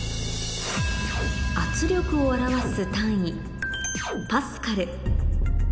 圧力を表す単位パスカル